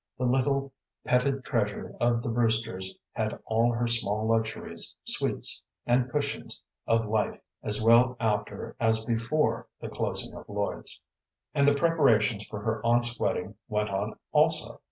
The little petted treasure of the Brewsters had all her small luxuries, sweets, and cushions of life, as well after as before the closing of Lloyd's. And the preparations for her aunt's wedding went on also.